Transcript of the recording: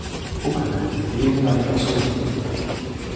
不可能，一定是哪裡搞錯了！